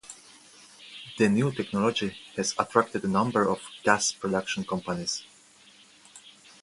The new technology has attracted a number of gas-production companies.